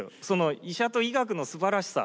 医者と医学のすばらしさ。